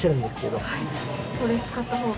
これ使った方が。